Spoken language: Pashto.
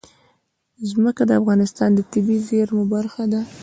ځمکه د افغانستان د طبیعي زیرمو برخه ده.